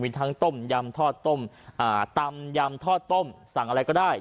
มีทั้งต้มยำทอดต้มตำยำทอดต้มสั่งอะไรก็ได้